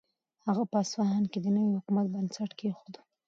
هغه په اصفهان کې د نوي حکومت بنسټ کېښود.